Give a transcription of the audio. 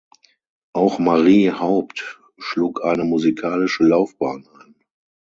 Auch Marie Haupt schlug eine musikalische Laufbahn ein.